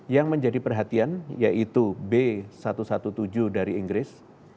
yang menjadi perhatian yaitu b satu ratus tujuh belas dari inggris